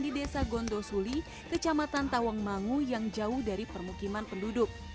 di desa gondosuli kecamatan tawangmangu yang jauh dari permukiman penduduk